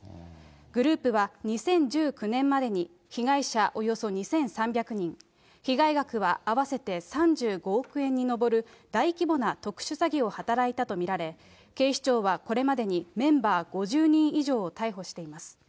グループは２０１９年までに被害者およそ２３００人、被害額は合わせて３５億円に上る大規模な特殊詐欺を働いたと見られ、警視庁はこれまでにメンバー５０人以上を逮捕しています。